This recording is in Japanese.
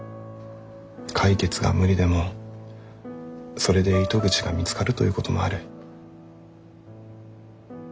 解決が無理でもそれで糸口が見つかるということもある。